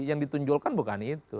yang ditunjulkan bukan itu